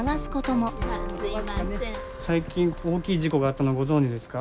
最近大きい事故があったのご存じですか？